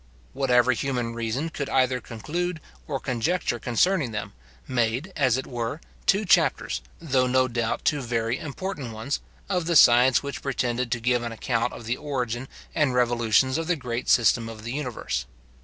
Whatever human reason could either conclude or conjecture concerning them, made, as it were, two chapters, though no doubt two very important ones, of the science which pretended to give an account of the origin and revolutions of the great system of the universe.